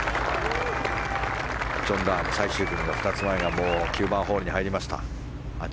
ジョン・ラーム最終組の２つ前がもう９番ホールに入りました。